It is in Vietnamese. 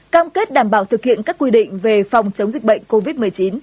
cam kết đảm bảo thực hiện các quy định về phòng chống dịch bệnh covid một mươi chín